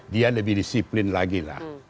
dia lebih disiplin lagi lah